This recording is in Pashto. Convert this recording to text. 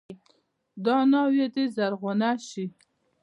دا ناوې دې زرغونه شي.